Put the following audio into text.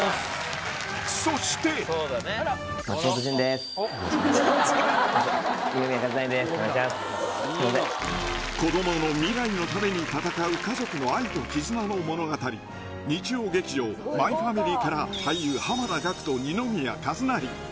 すいません子供の未来のためにたたかう家族の愛と絆の物語日曜劇場「マイファミリー」から俳優濱田岳と二宮和也